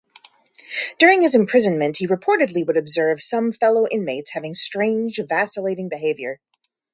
During his imprisonment, he reportedly would observe some fellow inmates having strange, vacillating behaviour.